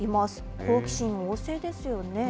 好奇心旺盛ですよね。